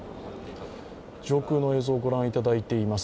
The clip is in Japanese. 上空の映像をご覧いただいています。